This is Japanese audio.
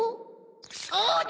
そうだ！